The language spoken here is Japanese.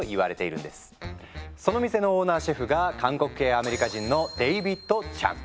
その店のオーナーシェフが韓国系アメリカ人のデイビッド・チャン。